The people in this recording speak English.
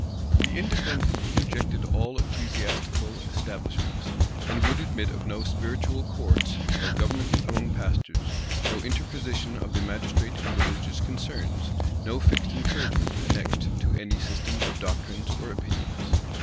The Independents rejected all ecclesiastical establishments, and would admit of no spiritual courts, no government among pastors, no interposition of the magistrate in religious concerns, no fixed encouragement annexed to any system of doctrines or opinions.